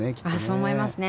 そう思いますね。